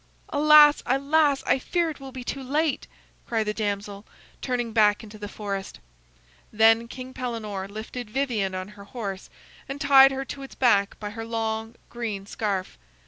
"Alas, alas, I fear it will be too late," cried the damsel, turning back into the forest. Then King Pellenore lifted Vivien on her horse, and tied her to its back by her long green scarf.